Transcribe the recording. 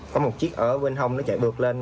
có một chiếc ở bên hông nó chạy được lên